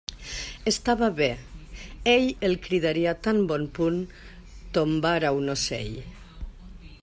Estava bé; ell el cridaria tan bon punt tombara un ocell.